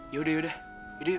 ya udah ya udah yaudah yuk